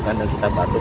yang kita bantu